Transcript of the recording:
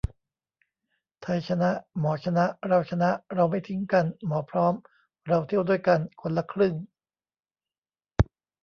ไทยชนะ หมอชนะ เราชนะ เราไม่ทิ้งกัน หมอพร้อม เราเที่ยวด้วยกัน คนละครึ่ง